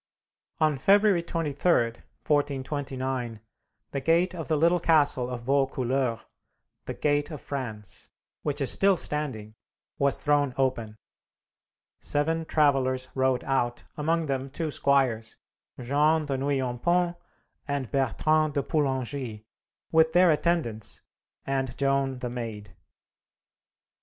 On February 23, 1429, the gate of the little castle of Vaucouleurs, "the Gate of France," which is still standing, was thrown open. Seven travellers rode out, among them two squires, Jean de Nouillompont and Bertrand de Poulengy, with their attendants, and Joan the Maid.